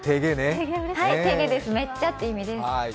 てげです、めっちゃって意味です。